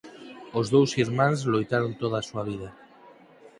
Os dous irmáns loitaron toda a súa vida.